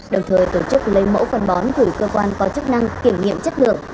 đồng thời tổ chức lấy mẫu phân bón gửi cơ quan có chức năng kiểm nghiệm chất lượng